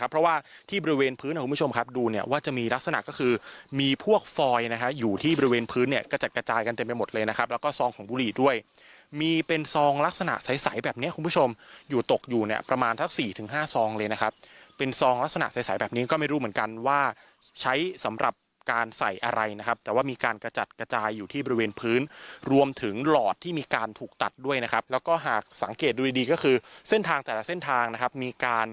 เพราะว่าที่บริเวณพื้นครับคุณผู้ชมครับดูเนี่ยว่าจะมีลักษณะก็คือมีพวกฟอยด์นะคะอยู่ที่บริเวณพื้นเนี่ยกระจัดกระจายกันเต็มไปหมดเลยนะครับแล้วก็ซองของบุหรี่ด้วยมีเป็นซองลักษณะใสแบบนี้คุณผู้ชมอยู่ตกอยู่เนี่ยประมาณทั้งสี่ถึงห้าซองเลยนะครับเป็นซองลักษณะใสแบบนี้ก็ไม่รู้เหมือนกันว่าใช้